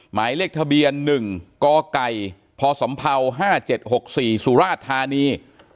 หมายเลขทะเบียน๑กไก่พศ๕๗๖๔สุราชธานี